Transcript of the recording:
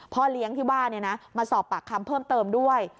พ่อเลี้ยงที่ว่ามาสอบปากคำเพิ่มเติมด้วย